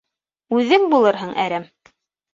Үҙең булырһың әрәм.